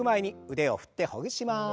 腕を振ってほぐします。